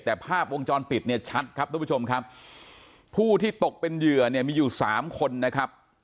แต่ภาพวงจรปิดเนี่ยชัดครับทุกผู้ชมครับผู้ที่ตกเป็นเหยื่อเนี่ยมีอยู่สามคนนะครับ